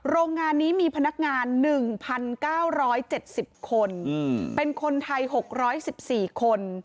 โรงงานนี้มีพนักงาน๑๙๗๐คนเป็นคนไทย๖๑๔คน